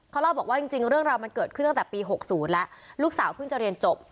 เขาเล่าบอกว่าจริงเรื่องราวมันเกิดขึ้นตั้งแต่ปี๖๐แล้วลูกสาวเพิ่งจะเรียนจบ